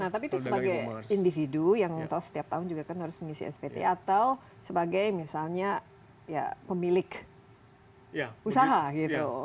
nah tapi itu sebagai individu yang setiap tahun juga kan harus mengisi spt atau sebagai misalnya ya pemilik usaha gitu